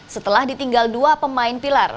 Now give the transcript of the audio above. setelah ditinggal dua pemain pilar